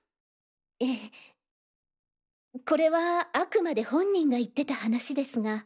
ええこれはあくまで本人が言ってた話ですが。